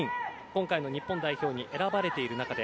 今回の日本代表に選ばれている中